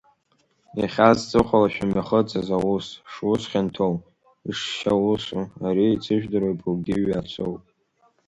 Иахьа, зҵыхәала шәымҩахыҵыз аус, шус хьанҭоу, ишшьаусу, ари еицыжәдыруа былгьы ҩацоуп.